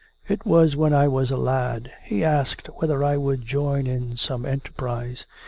It was when I was a lad. He asked whether I would join in some enterprise.